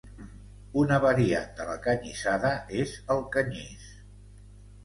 Una variant de la canyissada és el canyís.